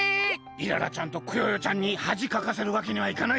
イララちゃんとクヨヨちゃんにはじかかせるわけにはいかない！